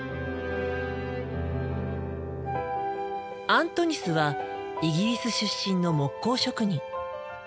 アントニスはイギリス出身の木工職人。